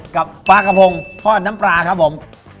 กับปลากระพงทอดน้ำปลาครับผม